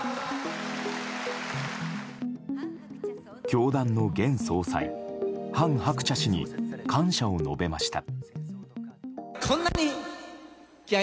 教団の現総裁・韓鶴子氏に感謝を述べました。